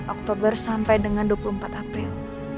dua puluh empat oktober sampai dengan dua puluh empat april